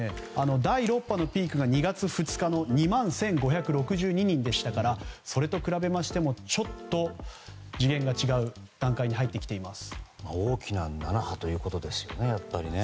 第６波のピークが２月２日の２万１６２２人でしたからそれと比べましてもちょっと次元が違う段階に入ってきています。